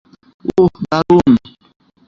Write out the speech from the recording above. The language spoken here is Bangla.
ওহ, দারুন।